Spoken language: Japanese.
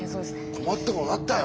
困ったことになったよ。